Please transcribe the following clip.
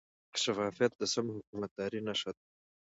شفافیت د سم حکومتدارۍ نښه ده.